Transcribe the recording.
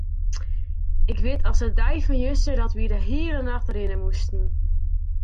Ik wit as de dei fan juster dat wy de hiele nacht rinne moasten.